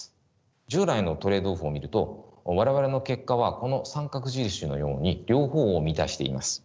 従来のトレードオフを見ると我々の結果はこの三角印のように両方を満たしています。